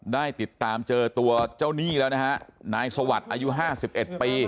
ได้ติดตามเจอตัวเจ้าหนี้แล้วนะฮะนายสวรรค์อายุ๕๑ปี